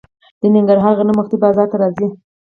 د ننګرهار غنم وختي بازار ته راځي.